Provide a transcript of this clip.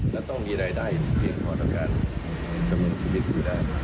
และต้องมีรายได้เพียงขอรับการกำลังชีวิตอยู่แล้ว